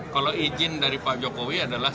kalau izin dari pak jokowi adalah